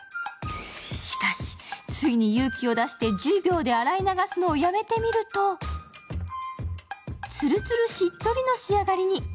しかし、ついに勇気を出して１０秒で洗い流すのをやめてみるとつるつるしっとりの仕上がりに。